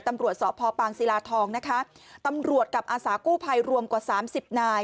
ตำรวจสพปางศิลาทองนะคะตำรวจกับอาสากู้ภัยรวมกว่าสามสิบนาย